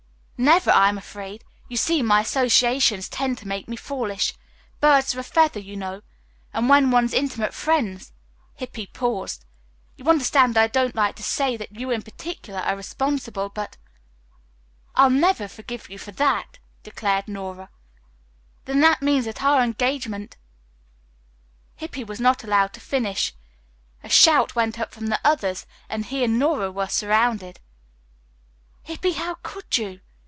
"Never, I am afraid. You see, my associations tend to make me foolish. Birds of a feather, you know, and when one's intimate friends " Hippy paused. "You understand I don't like to say that you in particular are responsible, but " "I'll never forgive you for that," declared Nora. "Then that means that our engagement " Hippy was not allowed to finish. A shout went up from the others, and he and Nora were surrounded. "Hippy, how could you?"